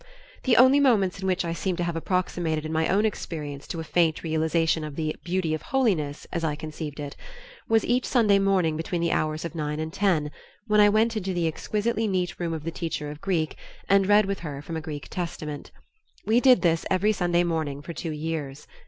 The only moments in which I seem to have approximated in my own experience to a faint realization of the "beauty of holiness," as I conceived it, was each Sunday morning between the hours of nine and ten, when I went into the exquisitely neat room of the teacher of Greek and read with her from a Greek testament. We did this every Sunday morning for two years.